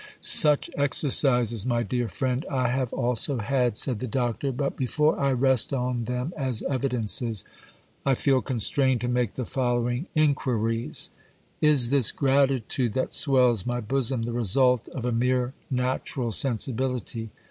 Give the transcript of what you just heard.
'Such exercises, my dear friend, I have also had,' said the Doctor; 'but before I rest on them as evidences, I feel constrained to make the following inquiries:—Is this gratitude that swells my bosom the result of a mere natural sensibility?